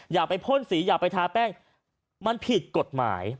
อย่าไปพ่นสีอย่าไปทาแป้งมันผิดกฎหมาย